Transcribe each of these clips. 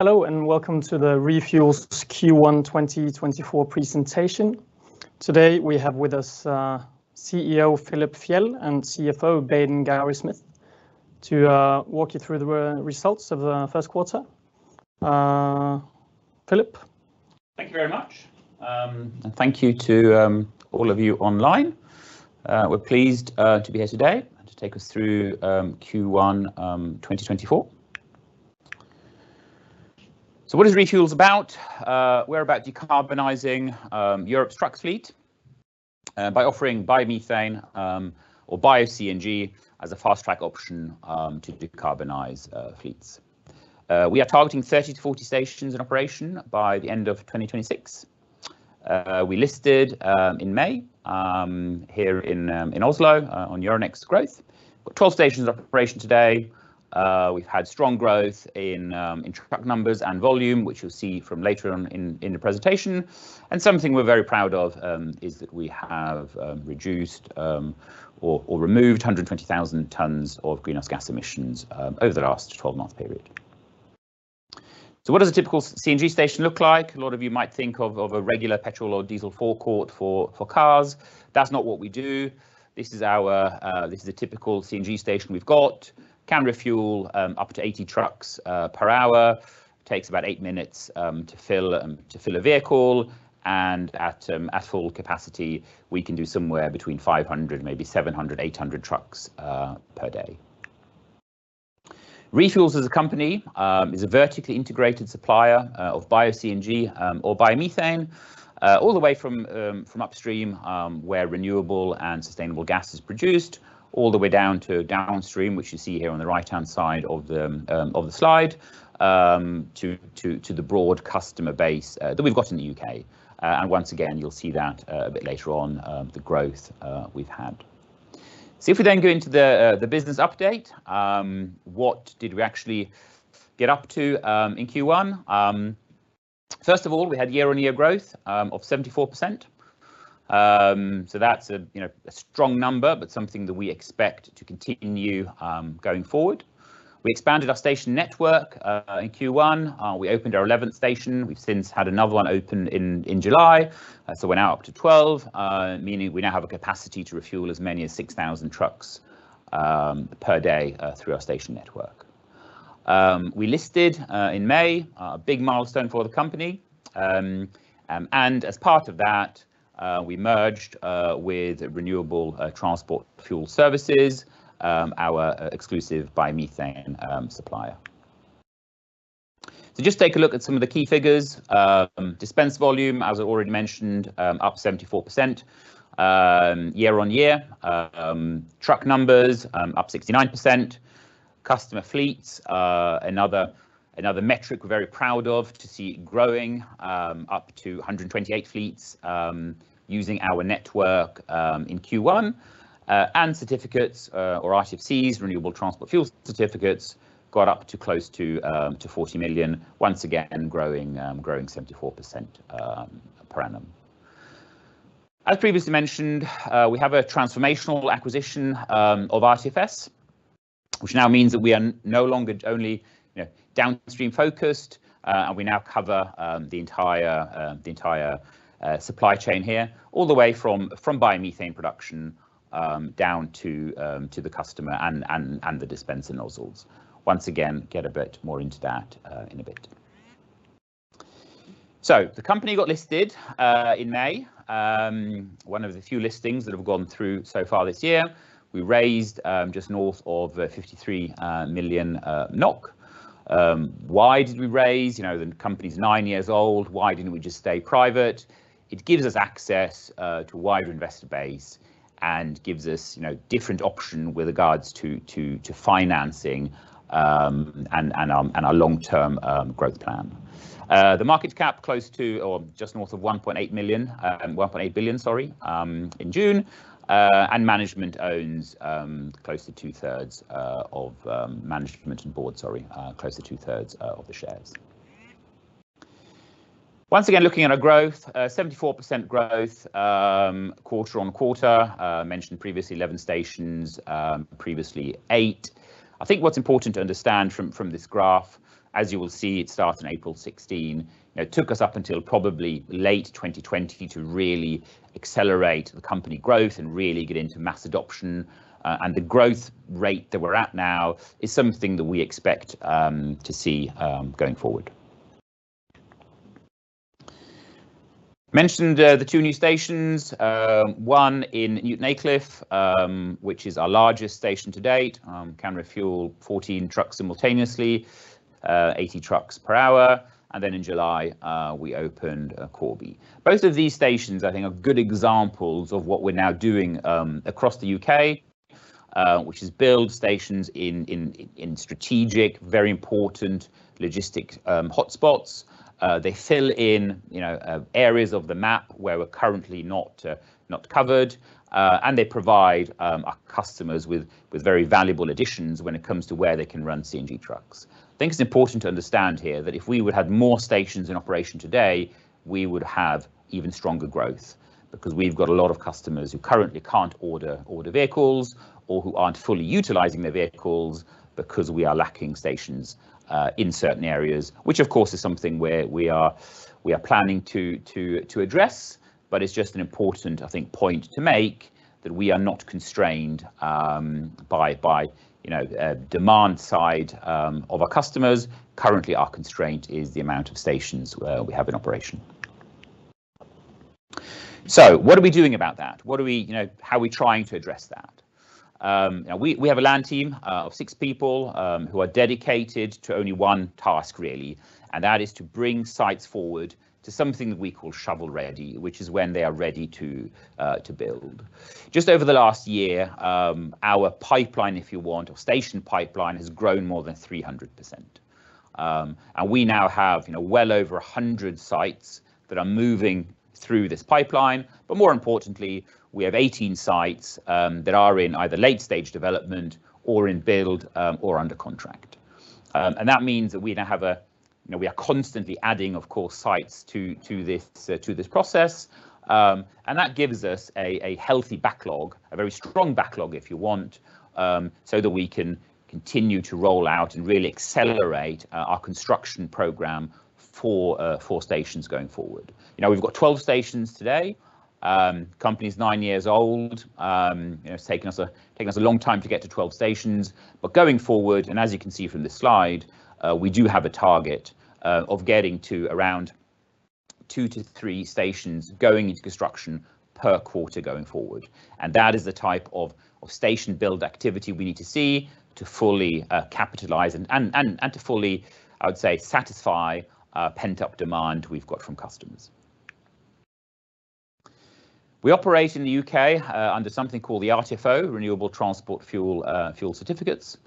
Hello, and welcome to the ReFuels Q1 2024 presentation. Today, we have with us CEO Philip Fjeld and CFO Baden Gowrie-Smith to walk you through the results of the first quarter. Philip? Thank you very much. Thank you to all of you online. We're pleased to be here today and to take us through Q1 2024. So what is ReFuels about? We're about decarbonizing Europe's truck fleet by offering biomethane or Bio-CNG as a fast-track option to decarbonize fleets. We are targeting 30-40 stations in operation by the end of 2026. We listed in May here in Oslo on Euronext Growth. Got 12 stations in operation today. We've had strong growth in truck numbers and volume, which you'll see from later on in the presentation, and something we're very proud of is that we have reduced or removed 120,000 tons of greenhouse gas emissions over the last 12-month period. So what does a typical CNG station look like? A lot of you might think of a regular petrol or diesel forecourt for cars. That's not what we do. This is a typical CNG station we've got. Can refuel up to 80 trucks per hour, takes about eight minutes to fill a vehicle, and at full capacity, we can do somewhere between 500, maybe 700, 800 trucks per day. ReFuels, as a company, is a vertically integrated supplier of bio-CNG or biomethane. All the way from upstream, where renewable and sustainable gas is produced, all the way down to downstream, which you see here on the right-hand side of the slide, to the broad customer base that we've got in the UK. And once again, you'll see that a bit later on, the growth we've had. So if we then go into the business update, what did we actually get up to in Q1? First of all, we had year-on-year growth of 74%. So that's a, you know, a strong number, but something that we expect to continue going forward. We expanded our station network in Q1. We opened our 11th station. We've since had another one open in July, so we're now up to 12, meaning we now have a capacity to refuel as many as 6,000 trucks per day through our station network. We listed in May, a big milestone for the company. And as part of that, we merged with Renewable Transport Fuel Services, our exclusive biomethane supplier. So just take a look at some of the key figures. Dispense volume, as I already mentioned, up 74% year-on-year. Truck numbers up 69%. Customer fleets, another metric we're very proud of to see it growing, up to 128 fleets using our network in Q1. And certificates, or RTFCs, Renewable Transport Fuel Certificates, got up to close to 40 million, once again growing 74% per annum. As previously mentioned, we have a transformational acquisition of RTFS, which now means that we are no longer only, you know, downstream-focused, and we now cover the entire, the entire supply chain here, all the way from, from biomethane production down to the customer and, and, and the dispenser nozzles. Once again, get a bit more into that in a bit. So the company got listed in May. One of the few listings that have gone through so far this year. We raised just north of 53 million NOK. Why did we raise? You know, the company's 9 years old, why didn't we just stay private? It gives us access to a wider investor base and gives us, you know, different option with regards to to financing and and our long-term growth plan. The market cap close to or just north of 1.8 million, 1.8 billion, sorry, in June. And management owns close to two-thirds of management and board, sorry, close to two-thirds of the shares. Once again, looking at our growth, 74% growth quarter-on-quarter. Mentioned previously 11 stations, previously 8. I think what's important to understand from this graph, as you will see, it started in April 2016. It took us up until probably late 2020 to really accelerate the company growth and really get into mass adoption. The growth rate that we're at now is something that we expect to see going forward. Mentioned the two new stations, one in Newton Aycliffe, which is our largest station to date, can refuel 14 trucks simultaneously, 80 trucks per hour. In July, we opened Corby. Both of these stations, I think, are good examples of what we're now doing across the UK, which is build stations in strategic, very important logistics hotspots. They fill in, you know, areas of the map where we're currently not covered, and they provide our customers with very valuable additions when it comes to where they can run CNG trucks. I think it's important to understand here that if we would have more stations in operation today, we would have even stronger growth, because we've got a lot of customers who currently can't order vehicles, or who aren't fully utilizing their vehicles because we are lacking stations in certain areas. Which, of course, is something where we are planning to address, but it's just an important, I think, point to make, that we are not constrained by, you know, demand side of our customers. Currently, our constraint is the amount of stations we have in operation. So what are we doing about that? What are we, you know, how are we trying to address that? Now we, we have a land team of six people who are dedicated to only one task really, and that is to bring sites forward to something that we call shovel-ready, which is when they are ready to to build. Just over the last year, our pipeline, if you want, or station pipeline, has grown more than 300%. We now have, you know, well over 100 sites that are moving through this pipeline, but more importantly, we have 18 sites that are in either late-stage development or in build or under contract. That means that we now have a, you know, we are constantly adding, of course, sites to to this, to this process. And that gives us a healthy backlog, a very strong backlog if you want, so that we can continue to roll out and really accelerate our construction program for stations going forward. You know, we've got 12 stations today. Company's nine years old. You know, it's taken us a long time to get to 12 stations. But going forward, and as you can see from this slide, we do have a target of getting to around 2-3 stations going into construction per quarter going forward. And that is the type of station build activity we need to see to fully capitalize and to fully, I would say, satisfy pent-up demand we've got from customers. We operate in the UK under something called the RTFO, Renewable Transport Fuel Obligation.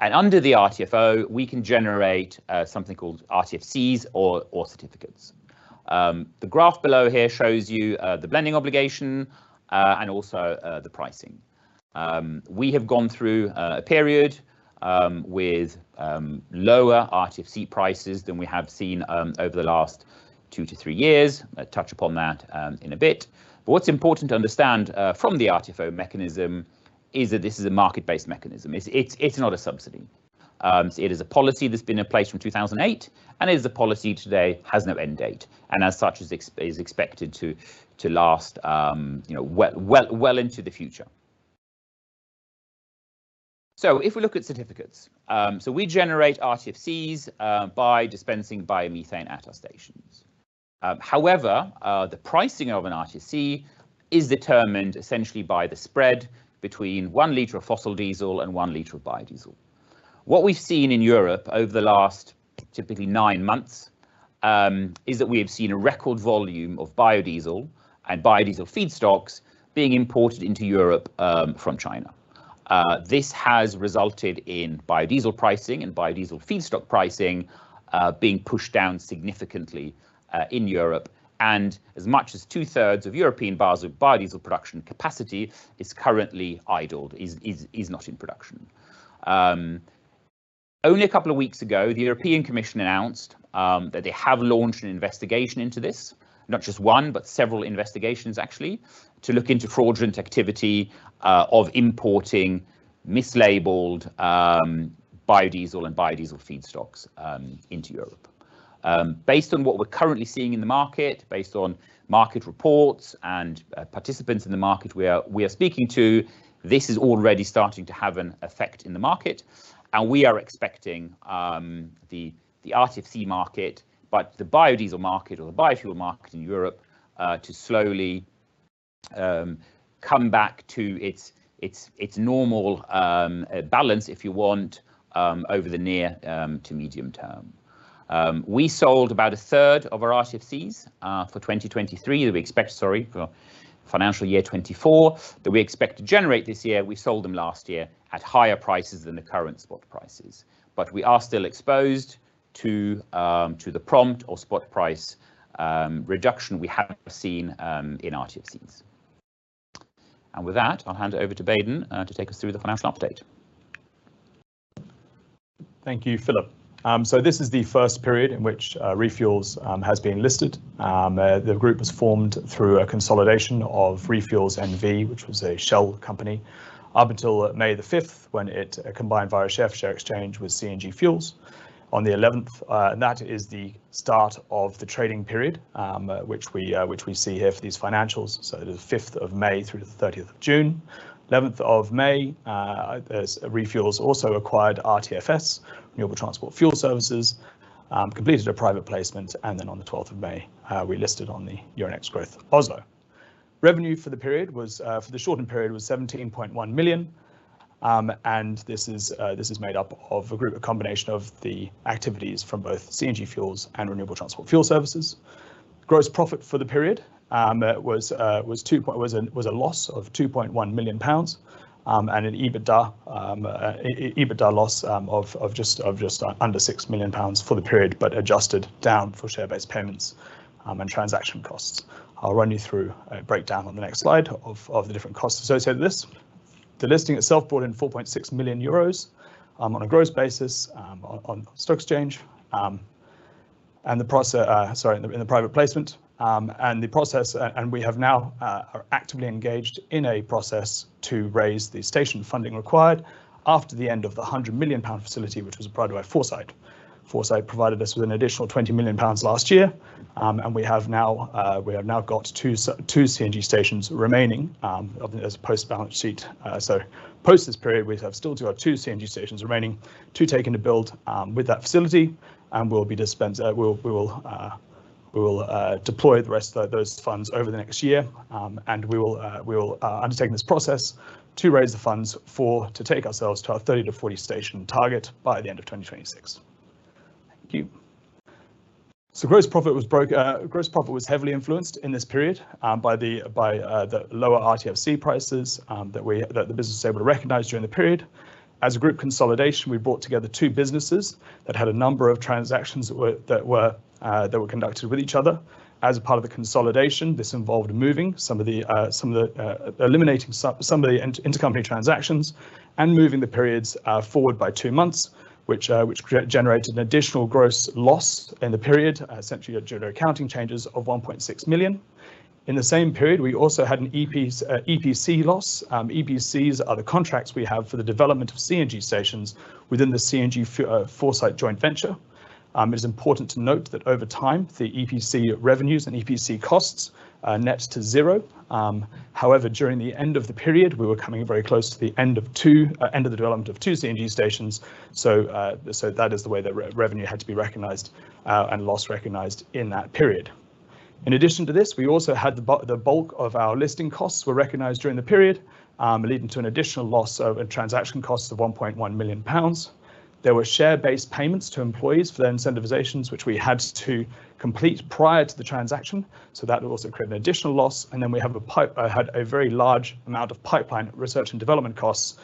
And under the RTFO, we can generate something called RTFCs or certificates. The graph below here shows you the blending obligation and also the pricing. We have gone through a period with lower RTFC prices than we have seen over the last 2-3 years. I'll touch upon that in a bit. But what's important to understand from the RTFO mechanism is that this is a market-based mechanism. It's not a subsidy. It is a policy that's been in place from 2008, and it is a policy today, has no end date, and as such, is expected to last, you know, well into the future. So if we look at certificates, so we generate RTFCs by dispensing biomethane at our stations. However, the pricing of an RTFC is determined essentially by the spread between one liter of fossil diesel and one liter of biodiesel. What we've seen in Europe over the last typically nine months is that we have seen a record volume of biodiesel and biodiesel feedstocks being imported into Europe from China. This has resulted in biodiesel pricing and biodiesel feedstock pricing being pushed down significantly in Europe, and as much as two-thirds of European biodiesel production capacity is currently idled, is not in production. Only a couple of weeks ago, the European Commission announced that they have launched an investigation into this, not just one, but several investigations actually, to look into fraudulent activity of importing mislabeled biodiesel and biodiesel feedstocks into Europe. Based on what we're currently seeing in the market, based on market reports and participants in the market we are speaking to, this is already starting to have an effect in the market, and we are expecting the RTFC market, but the biodiesel market or the biofuel market in Europe to slowly come back to its normal balance, if you want, over the near to medium term. We sold about a third of our RTFCs for 2023, that we expect... Sorry, for financial year 2024, that we expect to generate this year. We sold them last year at higher prices than the current spot prices, but we are still exposed to the prompt or spot price reduction we have seen in RTFCs. With that, I'll hand it over to Baden, to take us through the financial update. Thank you, Philip. So this is the first period in which ReFuels has been listed. The group was formed through a consolidation of ReFuels N.V., which was a shell company, up until May 5th, when it combined via a share exchange with CNG Fuels. On the 11th, and that is the start of the trading period, which we see here for these financials, so the 5th of May through to the 30th of June. 11th of May, as ReFuels also acquired RTFS, Renewable Transport Fuel Services, completed a private placement, and then on the 12th of May, we listed on the Euronext Growth Oslo. Revenue for the period was for the shortened period was 17.1 million GBP, and this is this is made up of a group, a combination of the activities from both CNG Fuels and Renewable Transport Fuel Services. Gross profit for the period was was a loss of 2.1 million pounds, and an EBITDA loss of just under 6 million pounds for the period, but adjusted down for share-based payments and transaction costs. I'll run you through a breakdown on the next slide of the different costs associated with this. The listing itself brought in 4.6 million euros on a gross basis on stock exchange, and the process... Sorry, in the private placement and the process, and we now are actively engaged in a process to raise the station funding required after the end of the 100 million pound facility, which was provided by Foresight. Foresight provided us with an additional 20 million pounds last year, and we now have two—two CNG stations remaining as a post-balance sheet. So post this period, we still have two CNG stations remaining, two taken to build with that facility, and we will deploy the rest of those funds over the next year. And we will, we will, undertake this process to raise the funds for, to take ourselves to our 30-40 station target by the end of 2026. Thank you. So gross profit was broke, gross profit was heavily influenced in this period, by the lower RTFC prices, that the business was able to recognize during the period. As a group consolidation, we brought together two businesses that had a number of transactions that were conducted with each other. As a part of the consolidation, this involved eliminating some of the intercompany transactions and moving the periods forward by two months, which generated an additional gross loss in the period, essentially general accounting changes of 1.6 million. In the same period, we also had an EPC loss. EPCs are the contracts we have for the development of CNG stations within the CNG Fuels Foresight joint venture. It's important to note that over time, the EPC revenues and EPC costs are net to zero. However, during the end of the period, we were coming very close to the end of the development of two CNG stations, so that is the way that revenue had to be recognized, and loss recognized in that period. In addition to this, we also had the bulk of our listing costs were recognized during the period, leading to an additional loss of transaction costs of 1.1 million pounds. There were share-based payments to employees for their incentivizations, which we had to complete prior to the transaction, so that will also create an additional loss. Then we had a very large amount of pipeline research and development costs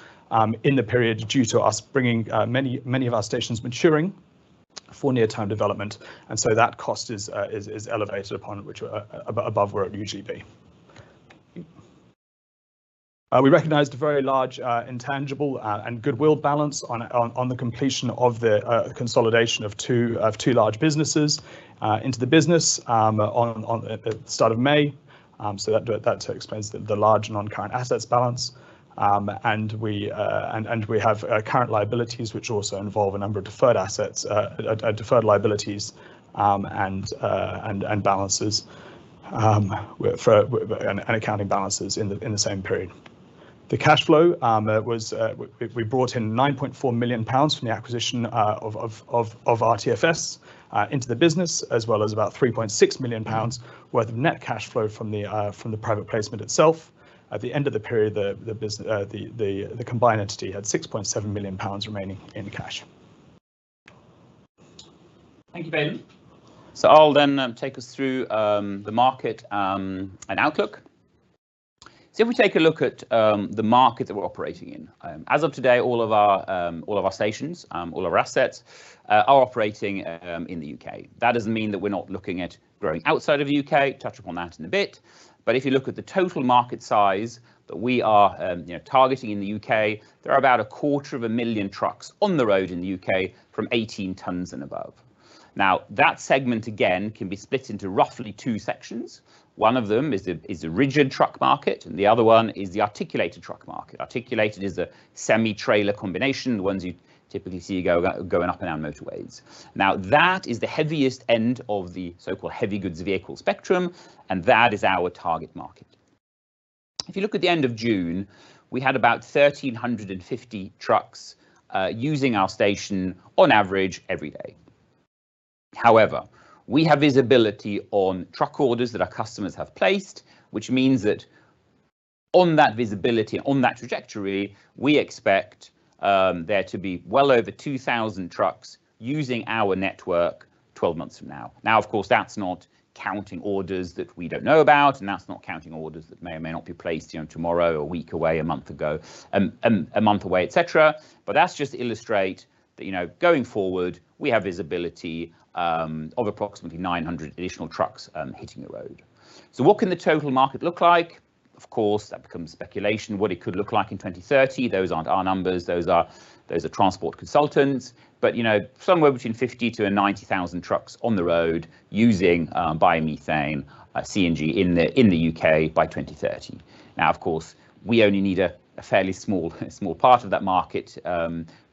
in the period due to us bringing many, many of our stations maturing for near-term development, and so that cost is elevated, which is above where it would usually be. We recognized a very large intangible and goodwill balance on the completion of the consolidation of two large businesses into the business at the start of May. So that explains the large non-current assets balance. We have current liabilities, which also involve a number of deferred assets, deferred liabilities, and balances, and accounting balances in the same period. The cash flow was we brought in 9.4 million pounds from the acquisition of RTFS into the business, as well as about 3.6 million pounds worth of net cash flow from the private placement itself. At the end of the period, the combined entity had 6.7 million pounds remaining in cash. Thank you, Baden. I'll then take us through the market and outlook. If we take a look at the market that we're operating in as of today, all of our stations, all our assets are operating in the U.K. That doesn't mean that we're not looking at growing outside of the U.K. Touch upon that in a bit. But if you look at the total market size that we are, you know, targeting in the U.K., there are about 250,000 trucks on the road in the U.K. from 18 tons and above. Now, that segment again can be split into roughly two sections. One of them is the rigid truck market, and the other one is the articulated truck market. Articulated is the semi-trailer combination, the ones you typically see go, going up and down motorways. Now, that is the heaviest end of the so-called heavy goods vehicle spectrum, and that is our target market. If you look at the end of June, we had about 1,350 trucks using our station on average every day. However, we have visibility on truck orders that our customers have placed, which means that on that visibility, on that trajectory, we expect there to be well over 2,000 trucks using our network 12 months from now. Now, of course, that's not counting orders that we don't know about, and that's not counting orders that may or may not be placed, you know, tomorrow, a week away, a month ago, a month away, et cetera. But that's just to illustrate that, you know, going forward, we have visibility of approximately 900 additional trucks hitting the road. So what can the total market look like? Of course, that becomes speculation. What it could look like in 2030, those aren't our numbers. Those are transport consultants, but, you know, somewhere between 50-90 thousand trucks on the road using biomethane CNG in the UK by 2030. Now, of course, we only need a fairly small part of that market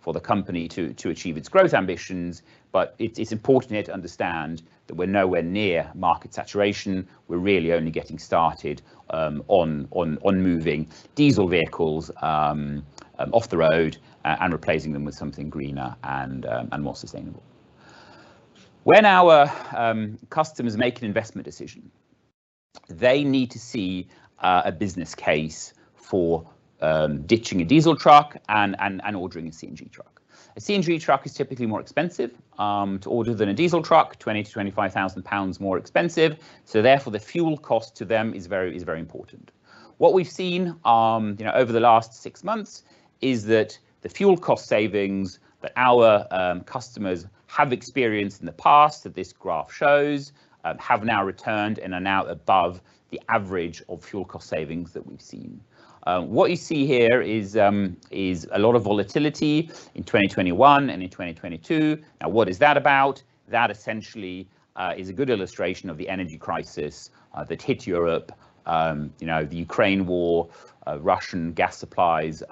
for the company to achieve its growth ambitions, but it's important here to understand that we're nowhere near market saturation. We're really only getting started on moving diesel vehicles off the road and replacing them with something greener and more sustainable. When our customers make an investment decision, they need to see a business case for ditching a diesel truck and ordering a CNG truck. A CNG truck is typically more expensive to order than a diesel truck, 20,000-25,000 pounds more expensive, so therefore, the fuel cost to them is very important. What we've seen, you know, over the last six months is that the fuel cost savings that our customers have experienced in the past, that this graph shows, have now returned and are now above the average of fuel cost savings that we've seen. What you see here is a lot of volatility in 2021 and in 2022. Now, what is that about? That essentially is a good illustration of the energy crisis that hit Europe, you know, the Ukraine War, Russian gas supplies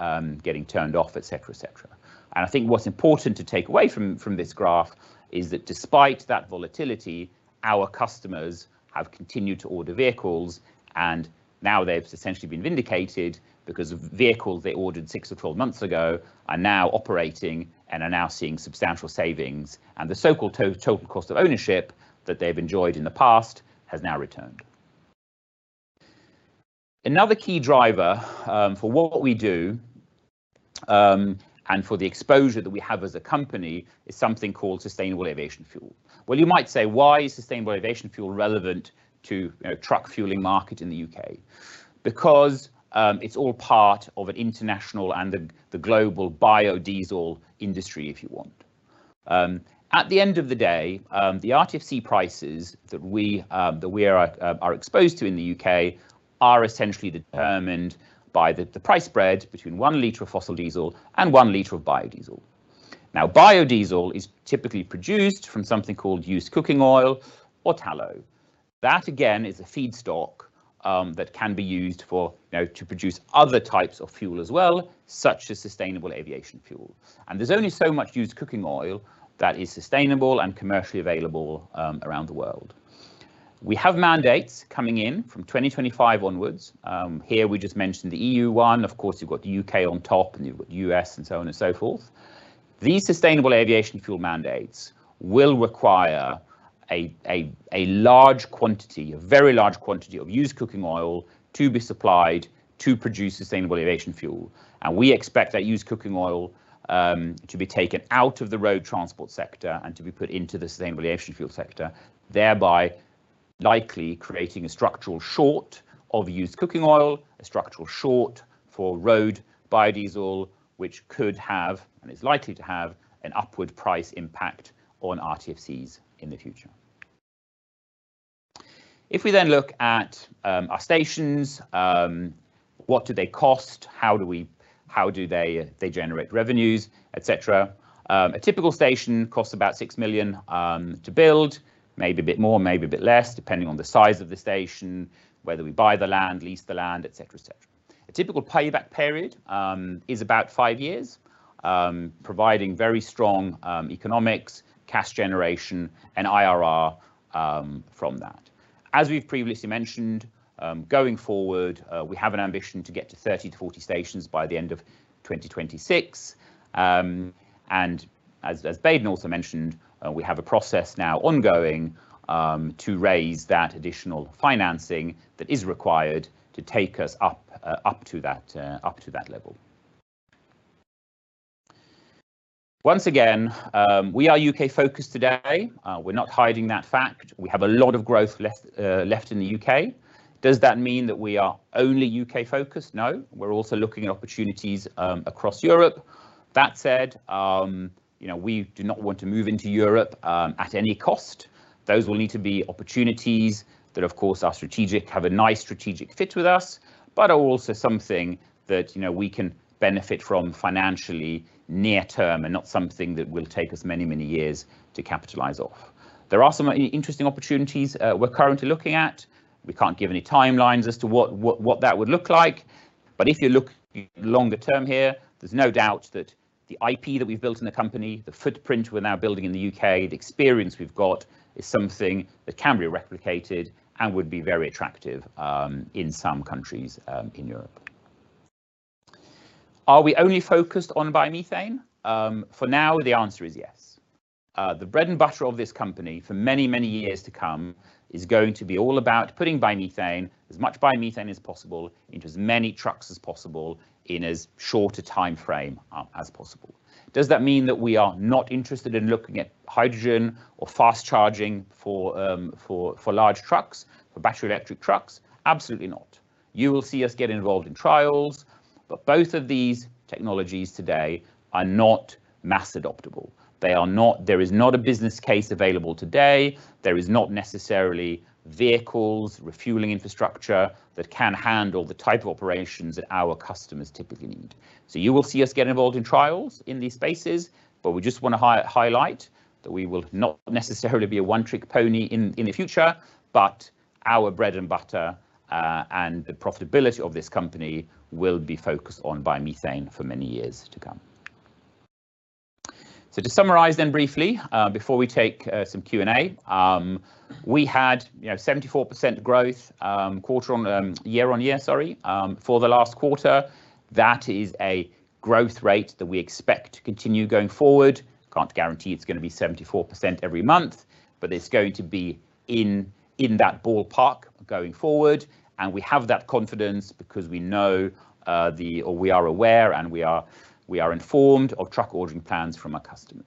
getting turned off, et cetera, et cetera. And I think what's important to take away from this graph is that despite that volatility, our customers have continued to order vehicles, and now they've essentially been vindicated because of vehicles they ordered 6-12 months ago are now operating and are now seeing substantial savings, and the so-called total cost of ownership that they've enjoyed in the past has now returned. Another key driver for what we do and for the exposure that we have as a company is something called sustainable aviation fuel. Well, you might say, why is sustainable aviation fuel relevant to, you know, truck fueling market in the UK? Because it's all part of an international and the global biodiesel industry, if you want. At the end of the day, the RTFC prices that we are exposed to in the UK are essentially determined by the price spread between one liter of fossil diesel and one liter of biodiesel. Now, biodiesel is typically produced from something called used cooking oil or tallow. That, again, is a feedstock that can be used for, you know, to produce other types of fuel as well, such as sustainable aviation fuel. And there's only so much used cooking oil that is sustainable and commercially available around the world. We have mandates coming in from 2025 onwards. Here we just mentioned the EU one. Of course, you've got the U.K. on top, and you've got U.S., and so on and so forth. These sustainable aviation fuel mandates will require a large quantity, a very large quantity of used cooking oil to be supplied to produce sustainable aviation fuel. We expect that used cooking oil to be taken out of the road transport sector and to be put into the sustainable aviation fuel sector, thereby likely creating a structural short of used cooking oil, a structural short for road biodiesel, which could have, and is likely to have, an upward price impact on RTFCs in the future. If we then look at our stations, what do they cost? How do they generate revenues, etc. A typical station costs about 6 million to build. Maybe a bit more, maybe a bit less, depending on the size of the station, whether we buy the land, lease the land, et cetera, et cetera. A typical payback period is about 5 years, providing very strong economics, cash generation, and IRR from that. As we've previously mentioned, going forward, we have an ambition to get to 30-40 stations by the end of 2026. As Baden also mentioned, we have a process now ongoing to raise that additional financing that is required to take us up to that level. Once again, we are U.K.-focused today. We're not hiding that fact. We have a lot of growth left in the U.K. Does that mean that we are only U.K.-focused? No. We're also looking at opportunities across Europe. That said, you know, we do not want to move into Europe at any cost. Those will need to be opportunities that, of course, are strategic, have a nice strategic fit with us, but are also something that, you know, we can benefit from financially near term, and not something that will take us many, many years to capitalize off. There are some interesting opportunities we're currently looking at. We can't give any timelines as to what that would look like. But if you look longer term here, there's no doubt that the IP that we've built in the company, the footprint we're now building in the U.K., the experience we've got, is something that can be replicated and would be very attractive in some countries in Europe. Are we only focused on biomethane? For now, the answer is yes. The bread and butter of this company for many, many years to come is going to be all about putting biomethane, as much biomethane as possible, into as many trucks as possible in as short a timeframe as possible. Does that mean that we are not interested in looking at hydrogen or fast charging for large trucks, for battery electric trucks? Absolutely not. You will see us get involved in trials, but both of these technologies today are not mass adoptable. They are not... There is not a business case available today. There is not necessarily vehicles, refueling infrastructure that can handle the type of operations that our customers typically need. So you will see us get involved in trials in these spaces, but we just wanna highlight that we will not necessarily be a one-trick pony in the future, but our bread and butter and the profitability of this company will be focused on biomethane for many years to come. So to summarize then briefly, before we take some Q&A, we had, you know, 74% growth quarter on year-on-year, sorry, for the last quarter. That is a growth rate that we expect to continue going forward. Can't guarantee it's gonna be 74% every month, but it's going to be in that ballpark going forward, and we have that confidence because we know or we are aware, and we are informed of truck ordering plans from our customers.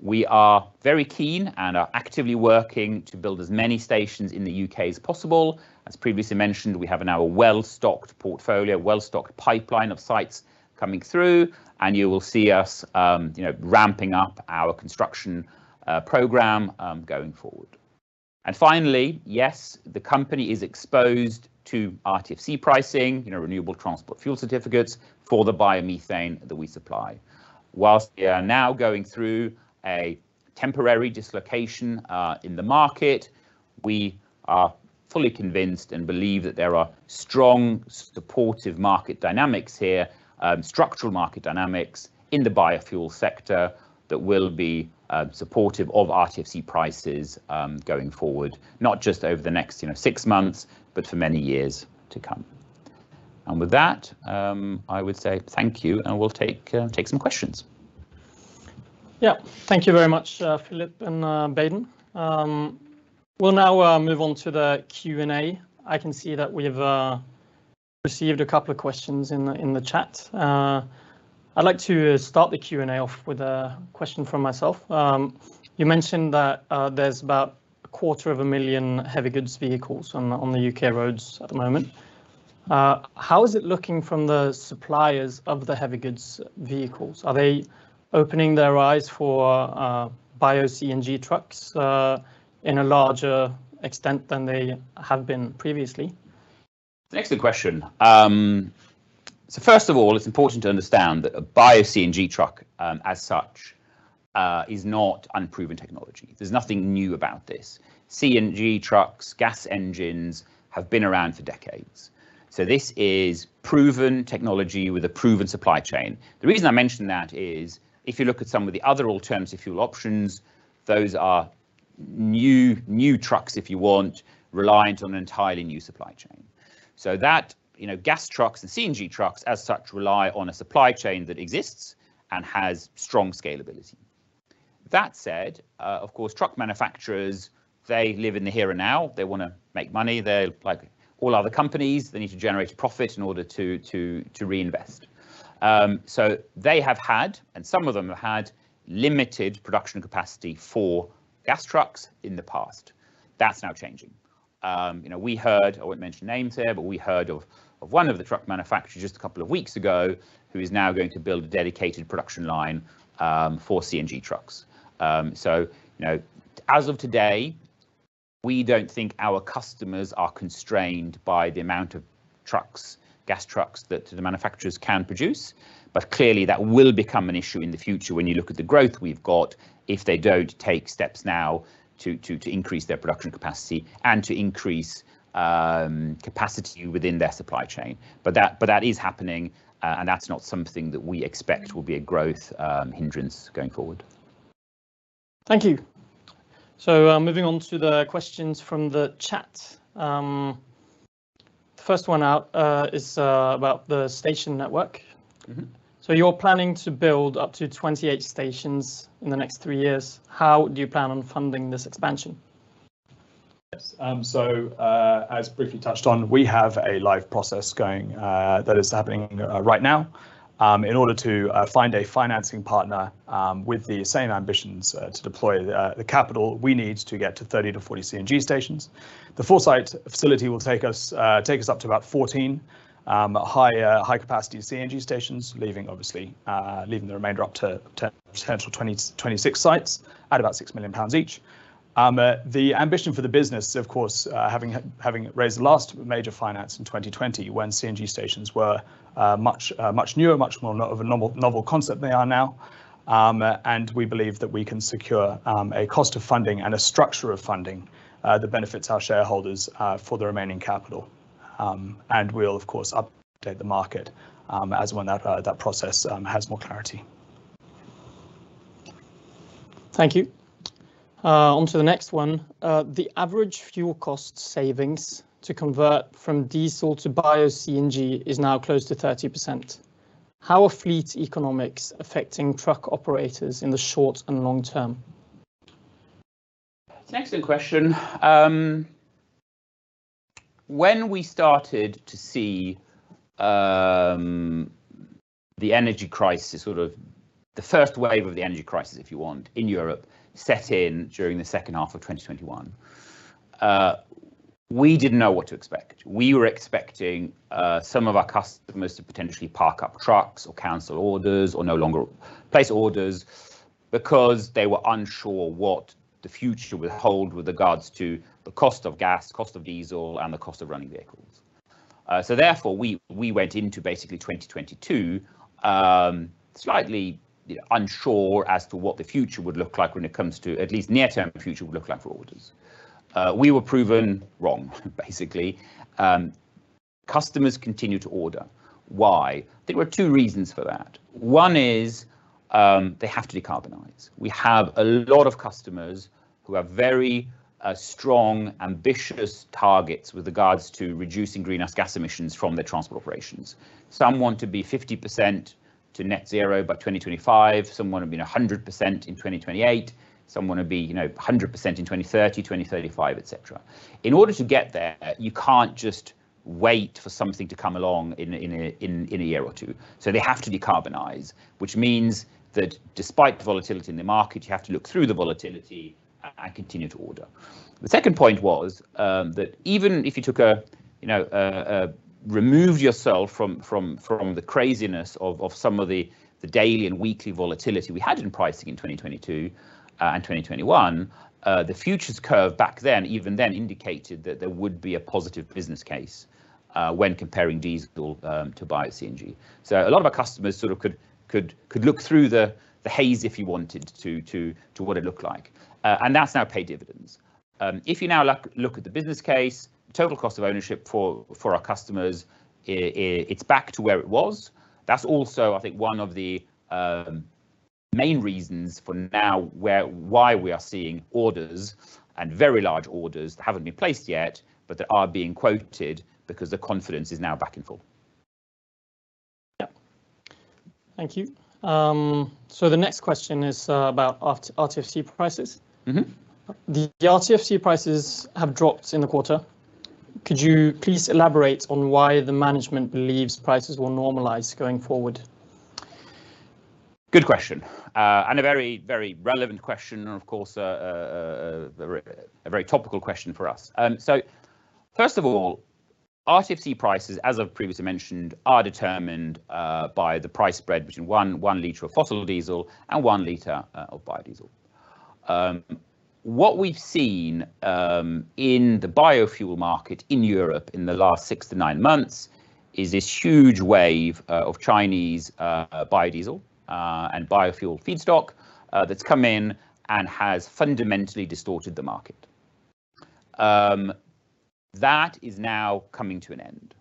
We are very keen and are actively working to build as many stations in the UK as possible. As previously mentioned, we have now a well-stocked portfolio, a well-stocked pipeline of sites coming through, and you will see us, you know, ramping up our construction program, going forward. And finally, yes, the company is exposed to RTFC pricing, you know, renewable transport fuel certificates, for the biomethane that we supply. While we are now going through a temporary dislocation in the market, we are fully convinced and believe that there are strong, supportive market dynamics here, structural market dynamics in the biofuel sector, that will be supportive of RTFC prices, going forward, not just over the next, you know, six months, but for many years to come. And with that, I would say thank you, and we'll take take some questions. Yeah. Thank you very much, Philip and Baden. We'll now move on to the Q&A. I can see that we've received a couple of questions in the chat. I'd like to start the Q&A off with a question from myself. You mentioned that there's about 250,000 heavy goods vehicles on the U.K. roads at the moment. How is it looking from the suppliers of the heavy goods vehicles? Are they opening their eyes for Bio-CNG trucks in a larger extent than they have been previously? That's a good question. So first of all, it's important to understand that a Bio-CNG truck, as such, is not unproven technology. There's nothing new about this. CNG trucks, gas engines, have been around for decades, so this is proven technology with a proven supply chain. The reason I mention that is if you look at some of the other alternative fuel options, those are new, new trucks, if you want, reliant on an entirely new supply chain. So that, you know, gas trucks and CNG trucks as such, rely on a supply chain that exists and has strong scalability. That said, of course, truck manufacturers, they live in the here and now. They wanna make money. They're like all other companies, they need to generate profit in order to reinvest. So they have had, and some of them have had limited production capacity for gas trucks in the past. That's now changing. You know, we heard, I won't mention names here, but we heard of one of the truck manufacturers just a couple of weeks ago, who is now going to build a dedicated production line for CNG trucks. You know, as of today, we don't think our customers are constrained by the amount of trucks, gas trucks, that the manufacturers can produce, but clearly, that will become an issue in the future when you look at the growth we've got, if they don't take steps now to increase their production capacity and to increase capacity within their supply chain. But that is happening, and that's not something that we expect will be a growth hindrance going forward. Thank you. Moving on to the questions from the chat. The first one out is about the station network. Mm-hmm. So you're planning to build up to 28 stations in the next three years. How do you plan on funding this expansion? Yes. So, as briefly touched on, we have a live process going that is happening right now. In order to find a financing partner with the same ambitions to deploy the capital we need to get to 30-40 CNG stations. The Foresight facility will take us up to about 14 high-capacity CNG stations, leaving obviously the remainder up to 10 potential 20-26 sites at about 6 million pounds each. The ambition for the business, of course, having raised the last major finance in 2020, when CNG stations were much newer, much more of a novel concept than they are now. We believe that we can secure a cost of funding and a structure of funding that benefits our shareholders for the remaining capital. We'll, of course, update the market as and when that process has more clarity. Thank you. On to the next one. The average fuel cost savings to convert from diesel to Bio-CNG is now close to 30%. How are fleet economics affecting truck operators in the short and long term? It's an excellent question. When we started to see, the energy crisis, sort of the first wave of the energy crisis, if you want, in Europe, set in during the second half of 2021, we didn't know what to expect. We were expecting, some of our customers to potentially park up trucks or cancel orders or no longer place orders because they were unsure what the future would hold with regards to the cost of gas, cost of diesel, and the cost of running vehicles. So therefore, we went into basically 2022, slightly unsure as to what the future would look like when it comes to, at least near-term future would look like for orders. We were proven wrong, basically. Customers continued to order. Why? There were two reasons for that. One is, they have to decarbonize. We have a lot of customers who have very strong, ambitious targets with regards to reducing greenhouse gas emissions from their transport operations. Some want to be 50% to net zero by 2025, some wanna be 100% in 2028, some wanna be, you know, 100% in 2030, 2035, et cetera. In order to get there, you can't just wait for something to come along in a year or two. So they have to decarbonize, which means that despite the volatility in the market, you have to look through the volatility and continue to order. The second point was that even if you, you know, removed yourself from the craziness of some of the daily and weekly volatility we had in pricing in 2022 and 2021, the futures curve back then, even then, indicated that there would be a positive business case when comparing diesel to Bio-CNG. So a lot of our customers sort of could look through the haze, if you wanted to, to what it looked like, and that's now paid dividends. If you now look at the business case, total cost of ownership, for our customers, it's back to where it was. That's also, I think, one of the main reasons for now why we are seeing orders, and very large orders, that haven't been placed yet, but they are being quoted, because the confidence is now back in full. Yeah. Thank you. So the next question is, about RTFC prices. Mm-hmm. The RTFC prices have dropped in the quarter. Could you please elaborate on why the management believes prices will normalize going forward? Good question. And a very, very relevant question, and of course, a very topical question for us. So first of all, RTFC prices, as I've previously mentioned, are determined by the price spread between one liter of fossil diesel and one liter of biodiesel. What we've seen in the biofuel market in Europe in the last six to nine months is this huge wave of Chinese biodiesel and biofuel feedstock that's come in and has fundamentally distorted the market. That is now coming to an end.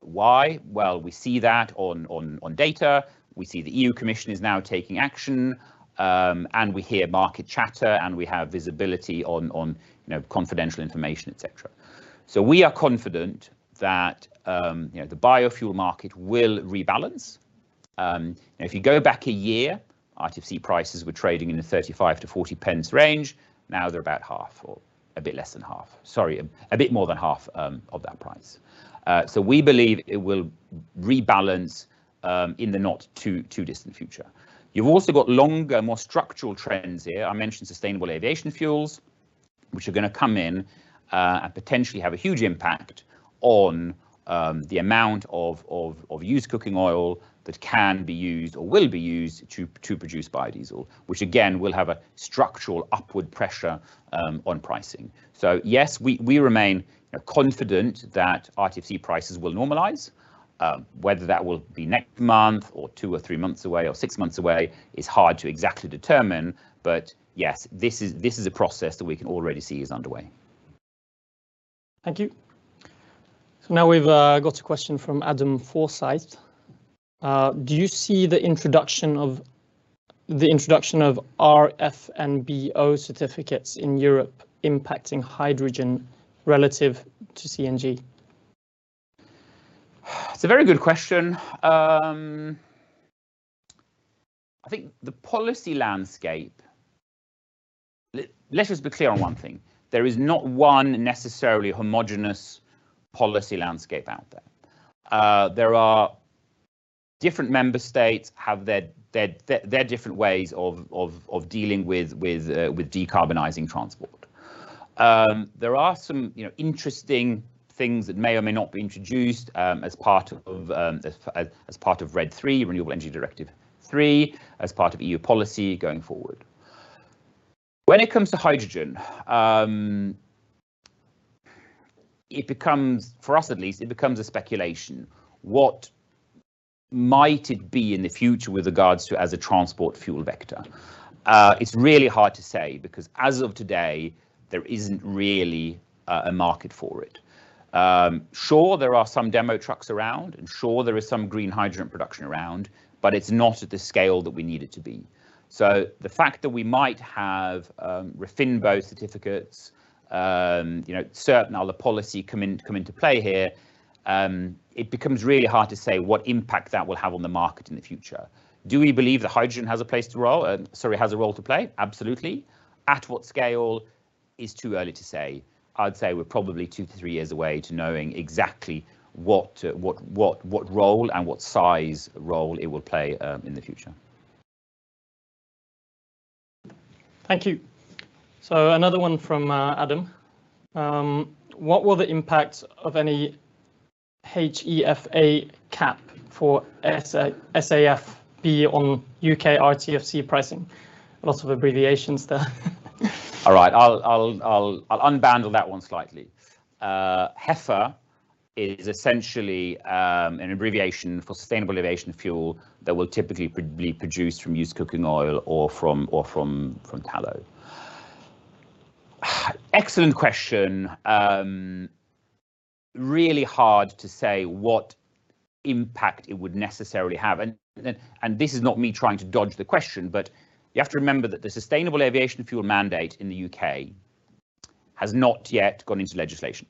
Why? Well, we see that on data. We see the EU Commission is now taking action. And we hear market chatter, and we have visibility on, you know, confidential information, et cetera. So we are confident that, you know, the biofuel market will rebalance. If you go back a year, RTFC prices were trading in the 0.35-0.40 range. Now they're about half, or a bit less than half... Sorry, a bit more than half, of that price. So we believe it will rebalance, in the not too distant future. You've also got longer, more structural trends here. I mentioned sustainable aviation fuels, which are gonna come in, and potentially have a huge impact on, the amount of used cooking oil that can be used or will be used to produce biodiesel, which again, will have a structural upward pressure, on pricing. So yes, we remain confident that RTFC prices will normalize. Whether that will be next month, or 2 or 3 months away, or 6 months away, is hard to exactly determine. But yes, this is a process that we can already see is underway. Thank you. So now we've got a question from Adam Forsyth. Do you see the introduction of, the introduction of RFNBO certificates in Europe impacting hydrogen relative to CNG? It's a very good question. I think the policy landscape... Let us be clear on one thing, there is not one necessarily homogenous policy landscape out there. There are different member states have their different ways of dealing with decarbonizing transport. There are some, you know, interesting things that may or may not be introduced, as part of, as part of RED III, Renewable Energy Directive III, as part of EU policy going forward. When it comes to hydrogen, it becomes, for us at least, it becomes a speculation. What might it be in the future with regards to as a transport fuel vector? It's really hard to say, because as of today, there isn't really a market for it. Sure, there are some demo trucks around, and sure, there is some green hydrogen production around, but it's not at the scale that we need it to be. So the fact that we might have RTFC, you know, certain other policy come into, come into play here, it becomes really hard to say what impact that will have on the market in the future. Do we believe that hydrogen has a place or role, sorry, has a role to play? Absolutely. At what scale is too early to say. I'd say we're probably 2-3 years away from knowing exactly what role and what size role it will play in the future. Thank you. So another one from Adam. What will the impact of any HEFA cap for SAF be on UK RTFC pricing? Lots of abbreviations there. All right, I'll unbundle that one slightly. HEFA is essentially an abbreviation for sustainable aviation fuel that will typically be produced from used cooking oil or from tallow. Excellent question. Really hard to say what impact it would necessarily have. And this is not me trying to dodge the question, but you have to remember that the sustainable aviation fuel mandate in the UK has not yet gone into legislation.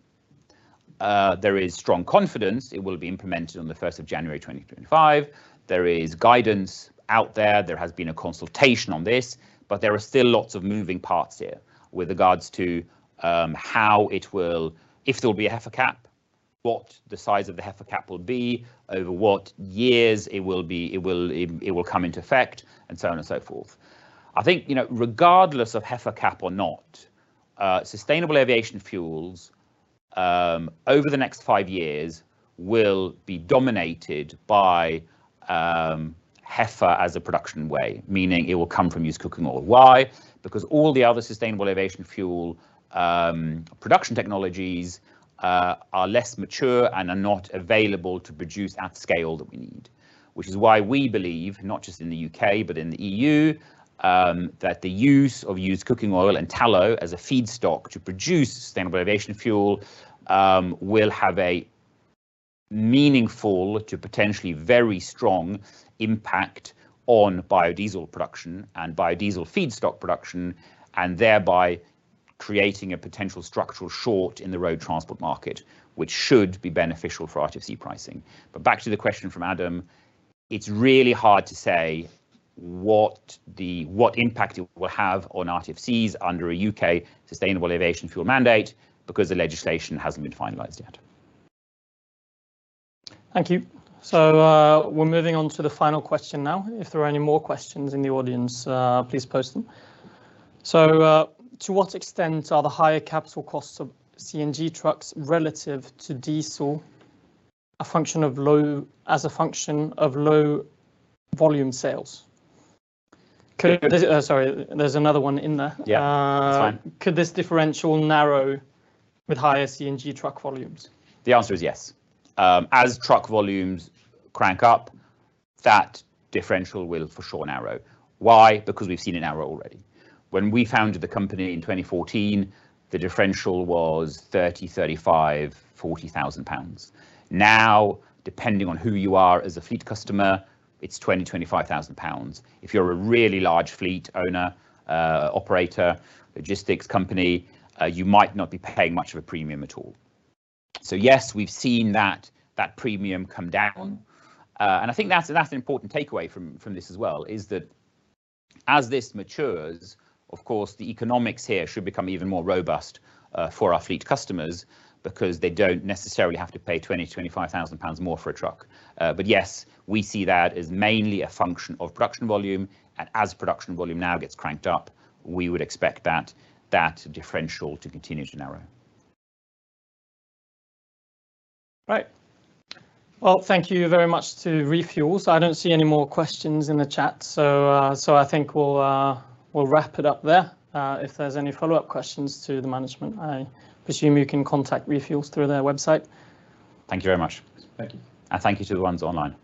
There is strong confidence it will be implemented on the first of January 2025. There is guidance out there. There has been a consultation on this. But there are still lots of moving parts here with regards to how it will... If there will be a HEFA cap, what the size of the HEFA cap will be, over what years it will be—it will come into effect, and so on and so forth. I think, you know, regardless of HEFA cap or not, sustainable aviation fuels, over the next five years, will be dominated by, HEFA as a production way, meaning it will come from used cooking oil. Why? Because all the other sustainable aviation fuel, production technologies, are less mature and are not available to produce at scale that we need. Which is why we believe, not just in the UK, but in the EU, that the use of used cooking oil and tallow as a feedstock to produce sustainable aviation fuel, will have a meaningful to potentially very strong impact on biodiesel production and biodiesel feedstock production, and thereby creating a potential structural short in the road transport market, which should be beneficial for RTFC pricing. But back to the question from Adam, it's really hard to say what impact it will have on RTFCs under a UK sustainable aviation fuel mandate, because the legislation hasn't been finalized yet. Thank you. So, we're moving on to the final question now. If there are any more questions in the audience, please post them. So, to what extent are the higher capital costs of CNG trucks relative to diesel a function of low volume sales? Could... sorry, there's another one in there. Yeah. That's fine. Could this differential narrow with higher CNG truck volumes? The answer is yes. As truck volumes crank up, that differential will for sure narrow. Why? Because we've seen it narrow already. When we founded the company in 2014, the differential was 30, 35, 40 thousand. Now, depending on who you are as a fleet customer, it's 20 pounds, 25 thousand. If you're a really large fleet owner, operator, logistics company, you might not be paying much of a premium at all. So yes, we've seen that premium come down. And I think that's an important takeaway from this as well, is that as this matures, of course, the economics here should become even more robust, for our fleet customers, because they don't necessarily have to pay 20 pounds, 25 thousand more for a truck. Yes, we see that as mainly a function of production volume, and as production volume now gets cranked up, we would expect that differential to continue to narrow. Right. Well, thank you very much to ReFuels. So I don't see any more questions in the chat, so, so I think we'll, we'll wrap it up there. If there's any follow-up questions to the management, I presume you can contact ReFuels through their website. Thank you very much. Thank you. Thank you to the ones online.